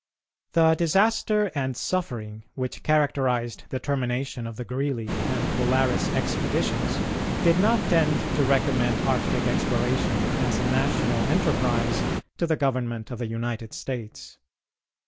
The disaster and suffering which characterised the termination of the Greely and Polaris expeditions did not tend to recommend Arctic exploration as a national enterprise to the Government of the United States.